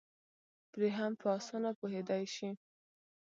پرې هم په اسانه پوهېدی شي